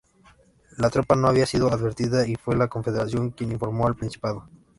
La tropa no había sido advertida, y fue la confederación quien informó al principado.